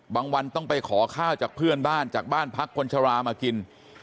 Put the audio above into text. วันต้องไปขอข้าวจากเพื่อนบ้านจากบ้านพักคนชรามากิน